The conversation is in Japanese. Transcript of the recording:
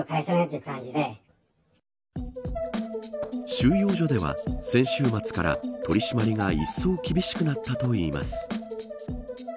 収容所では先週末から取り締まりが一層厳しくなったといいます。